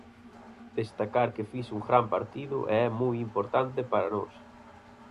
Destacar que fixo un gran partido e é moi importante para nós.